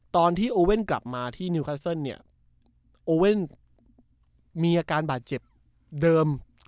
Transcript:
ตอนที่โอเว่นกลับมาที่นิวคัสเซิลเนี่ยโอเว่นมีอาการบาดเจ็บเดิม